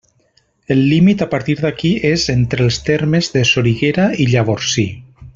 El límit a partir d'aquí és entre els termes de Soriguera i Llavorsí.